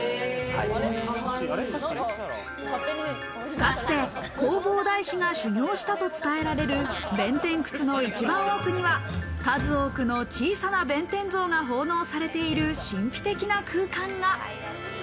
かつて弘法大師が修行したと伝えられる弁天窟の一番奥には数多くの小さな弁天像が奉納されている神秘的な空間が。